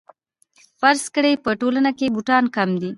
فرض کړئ په ټولنه کې بوټان کم دي